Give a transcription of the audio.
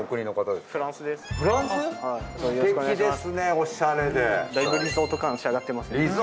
おしゃれでだいぶリゾート感仕上がってます